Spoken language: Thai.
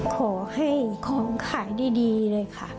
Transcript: ขอให้ของขายดีเลยค่ะ